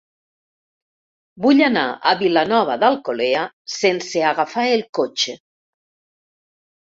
Vull anar a Vilanova d'Alcolea sense agafar el cotxe.